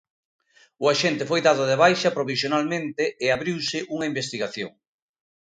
O axente foi dado de baixa provisionalmente e abriuse unha investigación.